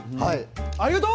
ありがとう！